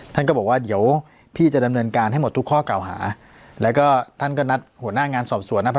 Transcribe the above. ท่านก็บอกว่าเดี๋ยวพี่จะดำเนินการให้หมดทุกข้อเก่าหาแล้วก็ท่านก็นัดหัวหน้างานสอบสวนนะ